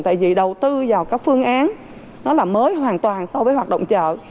tại vì đầu tư vào các phương án mới hoàn toàn so với hoạt động chợ